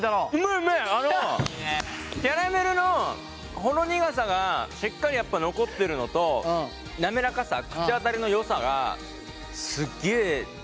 あのキャラメルのほろ苦さがしっかりやっぱ残ってるのと滑らかさ口当たりのよさがすっげえ存分に出てますよ。